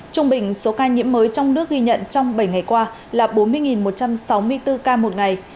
trung bình số ca nhiễm mới trong nước ghi nhận trong bảy ngày qua là bốn mươi một trăm sáu mươi bốn ca một ngày